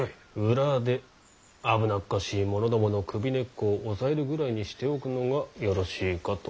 裏で危なっかしい者どもの首根っこを押さえるぐらいにしておくのがよろしいかと。